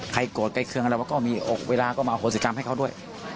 ใครโกรธใกล้เคืองอะไรว่าก็มีโอกเวลาก็มาโศกรรมให้เขาด้วย